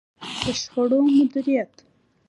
د شخړو مديريت.